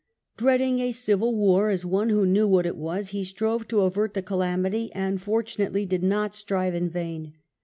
Dreading a civil war, as one who knew what it was, he strove to avert the calamity, and fortunately did not strive in vain.